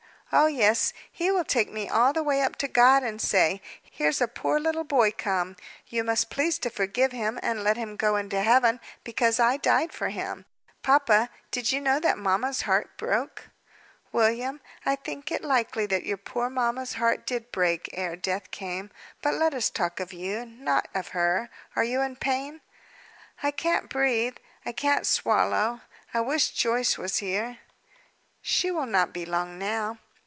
"Oh, yes. He will take me all the way up to God, and say, 'Here's a poor little boy come, you must please to forgive him and let him go into Heaven, because I died for him!' Papa did you know that mamma's heart broke?" "William, I think it likely that your poor mamma's heart did break, ere death came. But let us talk of you, not of her. Are you in pain?" "I can't breathe; I can't swallow. I wish Joyce was here." "She will not be long now."